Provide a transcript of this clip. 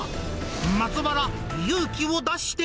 松原、勇気を出して！